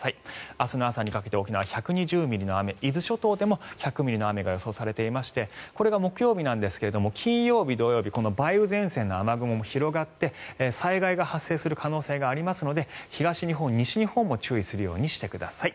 明日の朝にかけて沖縄、１２０ミリの雨伊豆諸島でも１００ミリの雨が予想されていましてこれが木曜日なんですが金曜日、土曜日この梅雨前線の雨雲も広がって災害が発生する可能性がありますので東日本、西日本も注意するようにしてください。